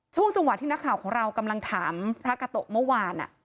ช่วงจังหวะที่นักข่าวของเรากำลังถามพระกาโตะเมื่อวาน